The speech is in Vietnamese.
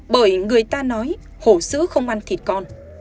bởi người ta nói hổ sứ không ăn thịt con